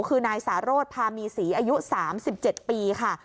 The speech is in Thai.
คือนายสารสพามีศรีอายุ๓๗ปีค่ะ